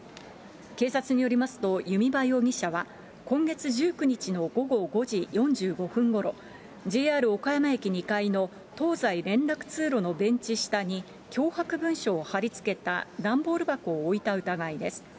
警察によりますと、弓場容疑者は今月１９日の午後５時４５分ごろ、ＪＲ岡山駅２階の東西連絡通路のベンチ下に、脅迫文書を貼りつけた段ボール箱を置いた疑いです。